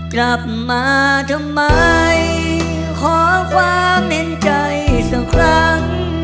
กลับมาทำไมขอความเห็นใจสักครั้ง